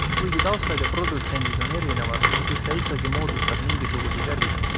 Kuigi taustad ja produtsendid on erinevad, siis ta ikkagi moodustab mingisuguse terviku.